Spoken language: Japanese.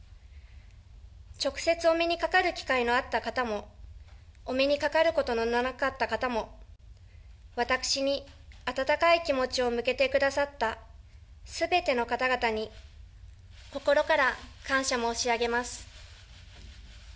直接お目にかかる機会のあった方も、お目にかかることのなかった方も、私に温かい気持ちを向けてくださったすべての方々に、心から感謝申し上げます。